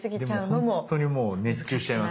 でも本当にもう熱中しちゃいます